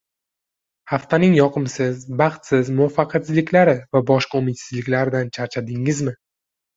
Haftaning yoqimsiz, baxtsiz muvaffaqiyatsizliklari va boshqa umidsizliklaridan charchadingizmi?